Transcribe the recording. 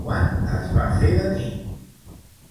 Quan es va fer de nit?